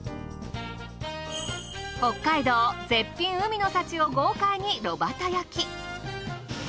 北海道絶品海の幸を豪快に炉端焼き。